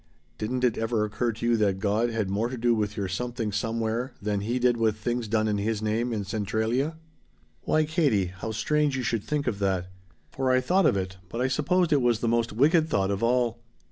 Didn't it ever occur to you that God had more to do with your Something Somewhere than He did with things done in His name in Centralia?" "Why, Katie, how strange you should think of that. For I thought of it but I supposed it was the most wicked thought of all."